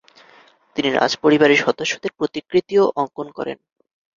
তিনি রাজপরিবারের সসস্যদের প্রতিকৃতিও অঙ্কন করেন।